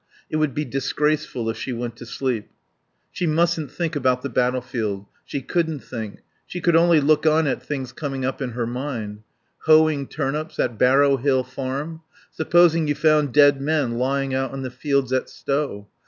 It would be disgraceful if she went to sleep.... She mustn't think about the battlefield. She couldn't think; she could only look on at things coming up in her mind. Hoeing turnips at Barrow Hill Farm. Supposing you found dead men lying out on the fields at Stow?